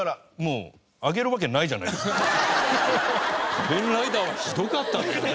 仮面ライダーはひどかったね。